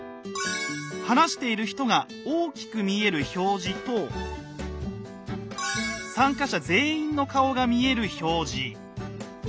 話している人が大きく見える表示と参加者全員の顔が見える表示。